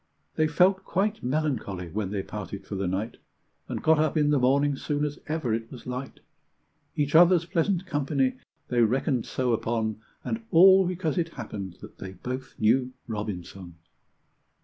They felt quite melancholy when they parted for the night, And got up in the morning soon as ever it was light; Each other's pleasant company they reckoned so upon, And all because it happened that they both knew Robinson!